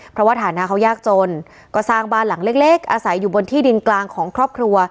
เพราะว่าฐานะเขายากจนก็สร้างบ้านหลังเล็กอาศัยอยู่บนที่ดินกลางของครอบครัว